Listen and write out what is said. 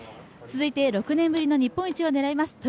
続いて６年ぶりの日本一を狙います